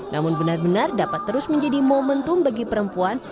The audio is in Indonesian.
namun benar benar dapat terus menjadi momentum bagi perempuan